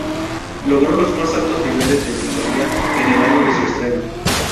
Logró los más altos niveles de sintonía en el año de su estreno.